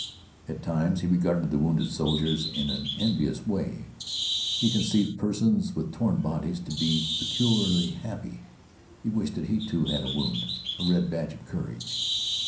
At times he regarded the wounded soldiers in an envious way. He conceived persons with torn bodies to be peculiarly happy. He wished that he, too, had a wound, a red badge of courage.